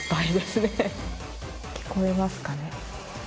聞こえますかね？